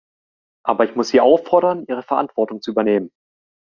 Aber ich muss Sie auffordern, Ihre Verantwortung zu übernehmen.